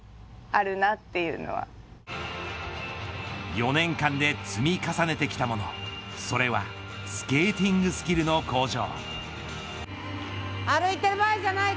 ４年間で積み重ねてきたものそれはスケーティングスキルの向上。